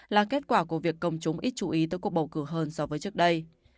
là kết quả của việc công chúng ít chú ý tới cuộc bầu cử hơn so với trước đây